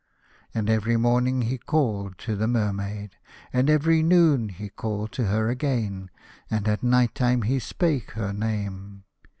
And every morning he called to the Mermaid, and every noon he called to her again, and at night time he spake her name.